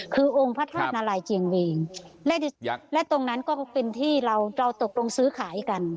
คือองค์พระธาตุนาลัยเจียงเวงและตรงนั้นก็เป็นที่เราเราตกลงซื้อขายกัน